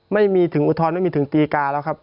ไม่มีถึงอุทธรณไม่มีถึงตีกาแล้วครับ